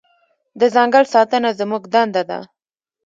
د ځنګل ساتنه زموږ دنده ده.